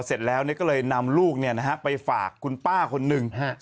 พอเสร็จแล้วเนี่ยก็เลยนำลูกเนี่ยนะฮะไปฝากคุณป้าคนนึงฮะ